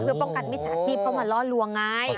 เพื่อป้องกันมิจฉาชีพเข้ามาล่อลวงไง